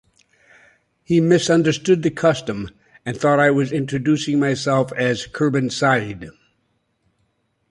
He misunderstood the custom and thought I was introducing myself as Kurban Said.